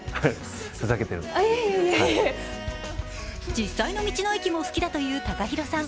実際の道の駅も好きだというＴＡＫＡＨＩＲＯさん。